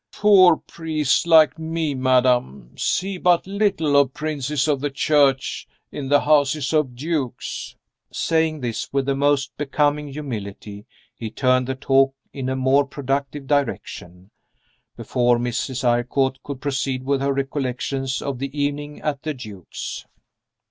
"Poor priests like me, madam, see but little of Princes of the Church in the houses of Dukes." Saying this with the most becoming humility, he turned the talk in a more productive direction, before Mrs. Eyrecourt could proceed with her recollections of "the evening at the Duke's."